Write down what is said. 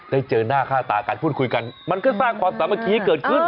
ได้เจอหน้าค่าตาการพูดคุยกันมันก็สร้างความสมัครสมาธิให้เกิดขึ้น